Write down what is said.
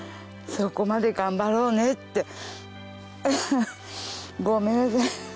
そこまで頑張ろうねって。